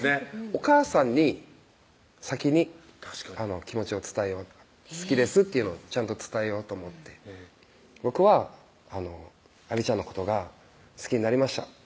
おかあさんに先に気持ちを伝えよう「好きです」っていうのをちゃんと伝えようと思って「僕はあびちゃんのことが好きになりました」